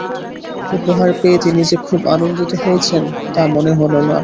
উপহার পেয়ে তিনি যে খুব আনন্দিত হয়েছেন তা মনে হল না।